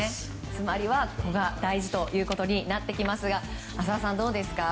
つまりはここが大事となってきますが浅尾さんどうですか？